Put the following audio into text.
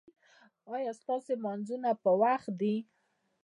ایا ستاسو لمونځونه په وخت دي؟